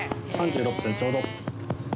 ３６分ちょうど。